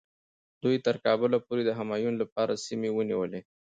دوی تر کابله پورې د همایون لپاره سیمې ونیولې.